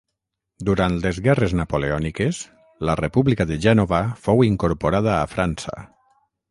Durant les guerres napoleòniques, la República de Gènova fou incorporada a França.